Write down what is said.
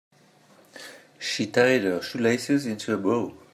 She tied her shoelaces into a bow.